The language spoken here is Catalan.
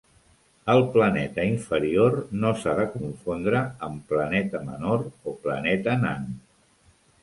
El planeta inferior no s'ha de confondre amb planeta menor o planeta nan.